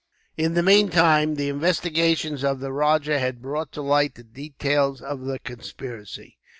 In the meantime, the investigations of the rajah had brought to light the details of the conspiracy.